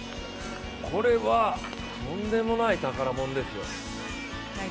これは、とんでもない宝物ですよ。